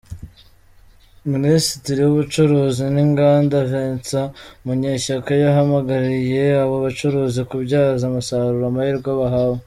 Minisitiri w’Ubucuruzi n’Inganda, Vincent Munyeshyaka yahamagariye abo bacuruzi kubyaza umusaruro amahirwe bahawe.